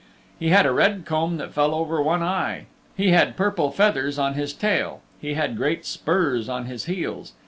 He had a red comb that fell over one eye. He had purple feathers on his tail. He had great spurs on his heels.